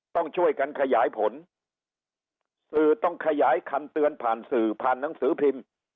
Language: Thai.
ต้องช่วยกันขยายผลสื่อต้องขยายคำเตือนผ่านสื่อผ่านหนังสือพิมพ์